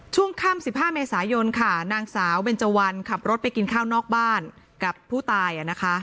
ช่วงค่ำ๑๕เมษายนค่ะนางสาวเบนเจวันขับรถไปกินข้าวนอกบ้านกับผู้ตาย